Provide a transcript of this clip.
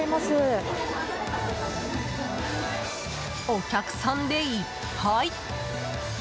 お客さんでいっぱい。